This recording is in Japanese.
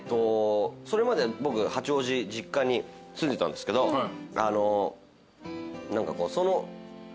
それまで僕八王子実家に住んでたんですけど何か遊んでもらうために。